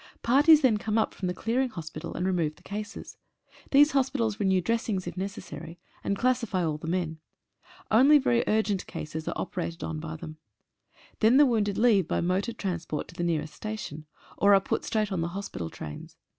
Parties then come up from the clearing hospital and remove the cases. These hospitals renew dressings if necessary, and classify all the men. Only very urgent cases are operated on by them. Then the wounded leave by motor transport to the nearest station, or are put straight on the hospital trains.